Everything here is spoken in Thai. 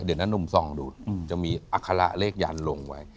เดี๋ยวอนุมทรองดูจะมีอัคาระเลขยานลงไว้